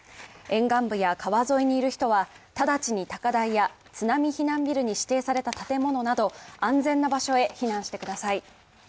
沿岸部や川沿いにいる人は直ちに高台や津波避難ビルに指定された建物など安全な場所へ避難してください。